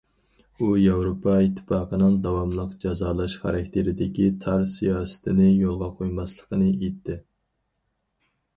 ئۇ ياۋروپا ئىتتىپاقىنىڭ داۋاملىق جازالاش خاراكتېرىدىكى تار سىياسىتىنى يولغا قويماسلىقىنى ئېيتتى.